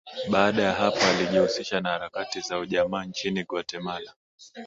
Baada ya hapo alijihusisha na harakati za ujamaa nchini Guatemala